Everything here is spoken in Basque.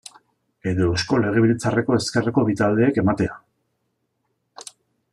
Edo Eusko Legebiltzarreko ezkerreko bi taldeek ematea.